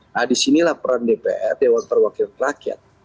nah di sinilah peran dpr dewan perwakilan rakyat